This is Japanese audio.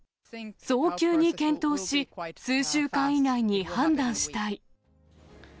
早急に検討し、数週間以内に判断したい。